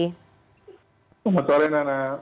selamat sore nana